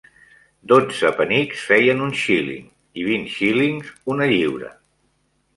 Dotze penics feien un xíling i vint xílings, una lliura.